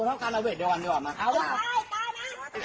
ผมไม่ท้าป้าแล้วนี่ผมท้าอะไร